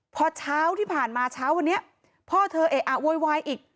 พอเช้าที่ผ่านมาเช้าวันนี้พ่อเธอเอะอะโวยวายอีก